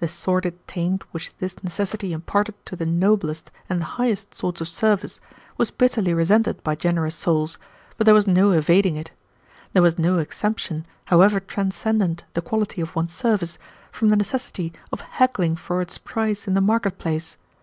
The sordid taint which this necessity imparted to the noblest and the highest sorts of service was bitterly resented by generous souls, but there was no evading it. There was no exemption, however transcendent the quality of one's service, from the necessity of haggling for its price in the market place.